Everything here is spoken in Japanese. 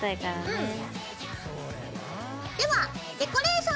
うん。